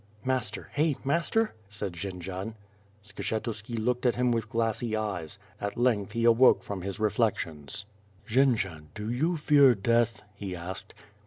"Master? Hey, master!" said Jendzian. Skshetuski looked at him with glassy eyes. At length he awoke from his reflections. "Jendzian, do you fear death?" he asked.